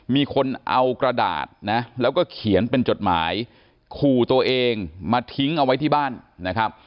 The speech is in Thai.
มีคนเอากระดาษนะแล้วก็เขียนเป็นจดหมายขู่ตัวเองมาทิ้งเอาไว้ที่บ้านนะครับ